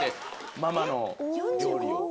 ママの料理を？